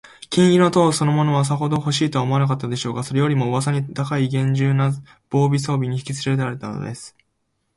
黄金の塔そのものは、さほどほしいとも思わなかったでしょうが、それよりも、うわさに高いげんじゅうな防備装置にひきつけられたのです。